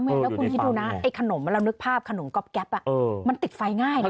แล้วคุณคิดดูนะไอ้ขนมเรานึกภาพขนมก๊อบแก๊ปมันติดไฟง่ายนะ